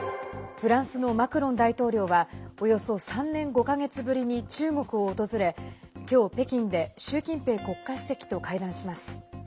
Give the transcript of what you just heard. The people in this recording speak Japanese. フランスのマクロン大統領はおよそ３年５か月ぶりに中国を訪れ今日、北京で習近平国家主席と会談します。